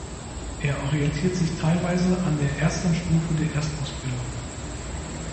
Er orientiert sich teilweise an der ersten Stufe der Erstausbildung.